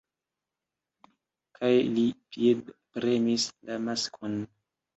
kaj li piedpremis la maskon.